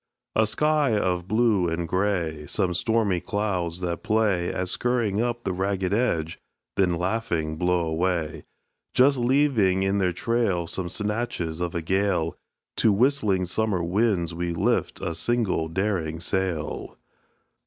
A sky of blue and grey; Some stormy clouds that play At scurrying up with ragged edge, then laughing blow away, Just leaving in their trail Some snatches of a gale; To whistling summer winds we lift a single daring sail.